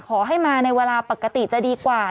ขอให้มาในเวลาปกติจะดีกว่า